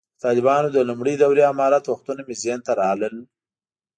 د طالبانو د لومړۍ دورې امارت وختونه مې ذهن ته راغلل.